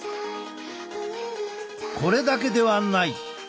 これだけではない。